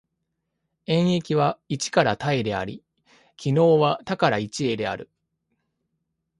演繹は一から多へであり、帰納は多から一へである。